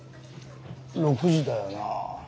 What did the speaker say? ６時だよな。